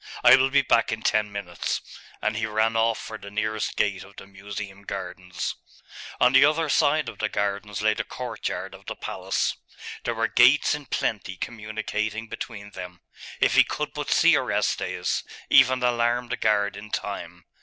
I will be back in ten minutes.' And he ran off for the nearest gate of the Museum gardens. On the other side of the gardens lay the courtyard of the palace. There were gates in plenty communicating between them. If he could but see Orestes, even alarm the guard in time!....